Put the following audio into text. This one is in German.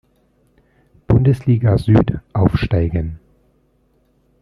Bundesliga Süd aufsteigen.